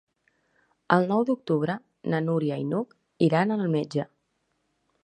El nou d'octubre na Núria i n'Hug iran al metge.